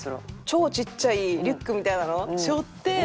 超ちっちゃいリュックみたいなの背負って